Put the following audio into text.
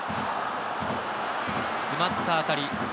詰まった当たり。